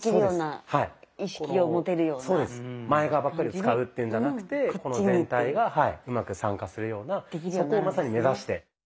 前側ばっかりを使うっていうんじゃなくてこの全体がうまく参加するようなそこをまさに目指して。